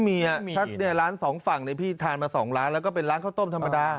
ถ้าร้านสองฝั่งพี่ทานมา๒ร้านแล้วก็เป็นร้านข้าวต้มธรรมดา